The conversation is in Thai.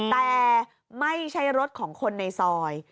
แต่ไม่ใช่รถของคนในซอย